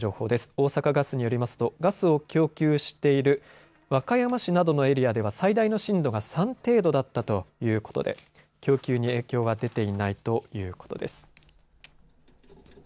大阪ガスによりますとガスを供給している和歌山市などのエリアでは最大の震度が３程度だったということで供給に影響は出ていないということです。